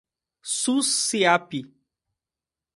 Jussiape